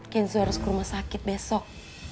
kenzo harus ke rumah sakit besok